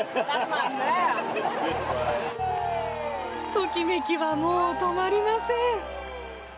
ときめきはもう止まりません。